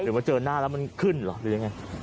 มาเจอหน้าแล้วมันขึ้นเหรอหรือยังไง